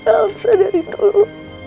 elsa dari dulu